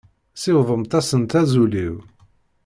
Siwḍemt-asent azul-iw.